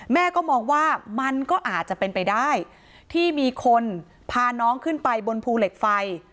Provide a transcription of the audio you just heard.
แม่ก็มองว่ามันก็อาจจะเป็นไปได้ที่มีคนพาน้องขึ้นไปบนภูเหล็กไฟ